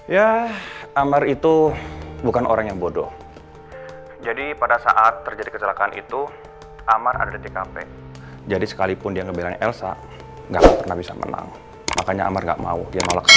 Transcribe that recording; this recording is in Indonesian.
ya amar itu bukan orang yang bodoh jadi pada saat terjadi kecelakaan itu amar ada di tkp jadi sekalipun dia ngebilangnya elsa gak akan pernah bisa menang makanya amar gak mau dia malak